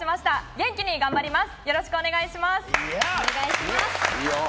元気に頑張ります。